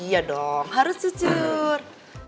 iya dong harus jujur